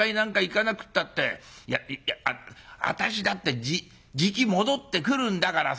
いや私だってじき戻ってくるんだからさ。